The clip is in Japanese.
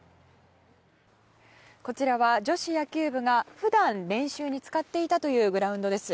こちらは女子野球部が普段、練習に使っていたというグラウンドです。